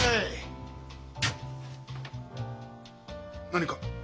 何か？